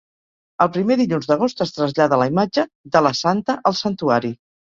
El primer dilluns d'agost es trasllada la imatge de la Santa al Santuari.